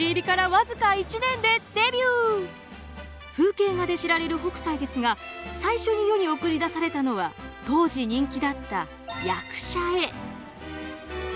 風景画で知られる北斎ですが最初に世に送り出されたのは当時人気だった役者絵。